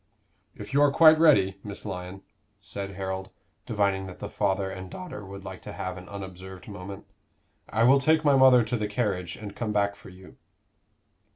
"If you are quite ready, Miss Lyon," said Harold, divining that the father and daughter would like to have an unobserved moment, "I will take my mother to the carriage and come back for you."